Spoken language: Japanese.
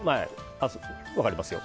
分かりますよ。